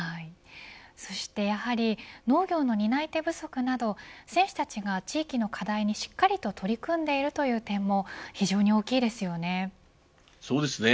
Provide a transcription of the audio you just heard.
そしてやはり農業の担い手不足など選手たちが地域の課題にしっかりと取り組んでいるという点も非常に大きいですよね。